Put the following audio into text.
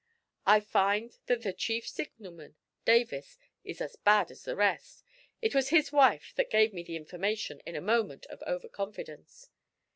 I find that the chief signalman, Davis, is as bad as the rest. It was his wife that gave me the information in a moment of over confidence."